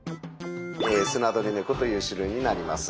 スナドリネコという種類になります。